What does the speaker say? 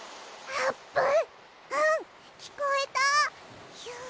あーぷん！